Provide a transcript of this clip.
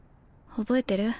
覚えてる？